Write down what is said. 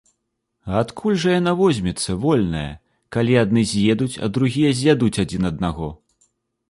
А адкуль жа яна возьмецца, вольная, калі адны з'едуць, а другія з'ядуць адзін аднаго?